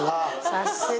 さすが。